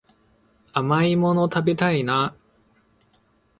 甘いもの食べたいな